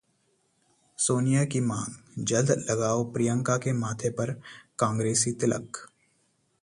सोनिया से मांग, 'जल्द लगाओ प्रियंका के माथे पर कांग्रेसी तिलक'